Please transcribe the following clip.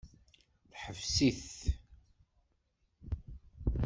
Teḥbes-it.